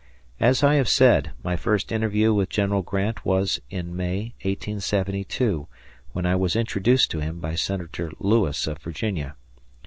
As I have said, my first interview with General Grant was in May, 1872, when I was introduced to him by Senator Lewis of Virginia.